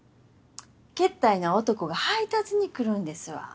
けったいな男が配達に来るんですわ。